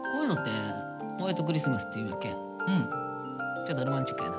ちょっとロマンチックやな。